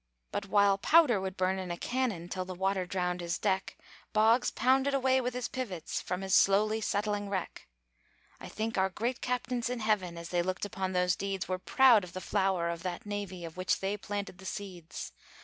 But while powder would burn in a cannon, Till the water drowned his deck, Boggs pounded away with his pivots From his slowly settling wreck. I think our great captains in Heaven, As they looked upon those deeds, Were proud of the flower of that navy, Of which they planted the seeds.